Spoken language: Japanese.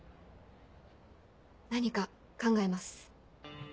何か考えます。